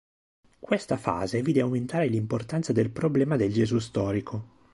Questa fase vide aumentare l'importanza del problema del Gesù storico.